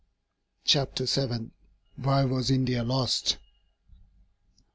CHAPTER VII WHY WAS INDIA LOST?